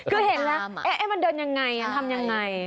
คือเห็นแล้วมันเดินอย่างไรมันทำอย่างไร